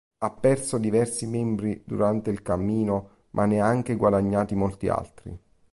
Ha perso diversi membri durante il cammino, ma ne ha anche guadagnati molti altri.